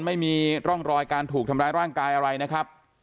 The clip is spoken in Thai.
ไม่มีร่องรอยการถูกทำร้ายร่างกายอะไรนะครับ